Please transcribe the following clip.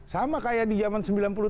sama kayak di zaman sembilan puluh tujuh